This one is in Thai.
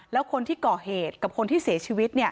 แล้วคนที่ก่อเหตุกับคนที่เสียชีวิต